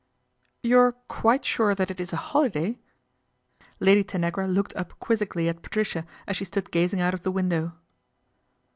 " You're quite sure that it is a holiday/' Lady Tanagra looked up quizzically at Patricia as she stood gazing out of the window.